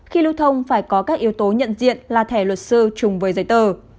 khi lưu thông phải có các yếu tố nhận diện là thẻ luật sư chung với giấy tờ